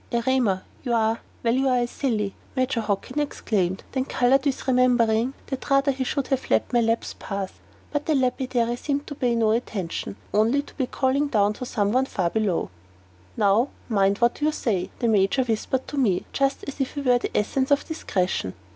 "Erema, you are a well, you are a silly!" Major Hockin exclaimed, and then colored with remembering that rather he should have let my lapse pass. But the lapidary seemed to pay no attention, only to be calling down to some one far below. "Now mind what you say," the Major whispered to me, just as if he were the essence of discretion.